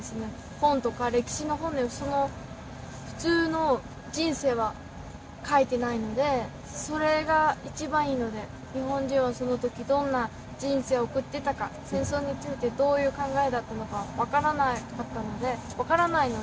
本とか歴史の本でその普通の人生は書いてないのでそれが一番いいので日本人はその時どんな人生を送ってたか戦争についてどういう考えだったのか分からないので私